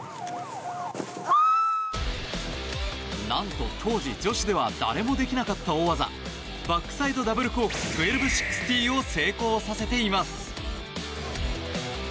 なんと当時、女子では誰もできなかった大技バックサイドダブルコーク１２６０を成功させています。